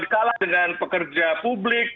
kalah dengan pekerja publik